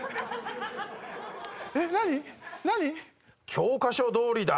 教科書どおりだ。